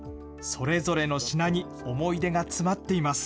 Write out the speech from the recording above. それぞれの品に思い出が詰まっています。